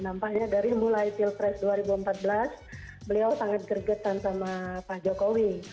nampaknya dari mulai pilpres dua ribu empat belas beliau sangat gergetan sama pak jokowi